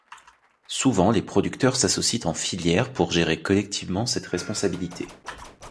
Souvent les producteurs s’associent en filière pour gérer collectivement cette responsabilité.